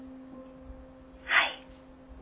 ☎はい。